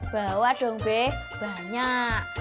bawa dong be banyak